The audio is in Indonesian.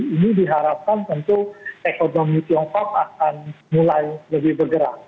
ini diharapkan tentu ekonomi tiongkok akan mulai lebih bergerak